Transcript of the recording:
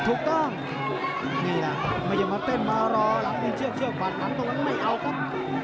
ถูกต้องไม่อยากมาเต้นมารอหลับเป็นเชือกขวานหลังตัวไม่เอาครับ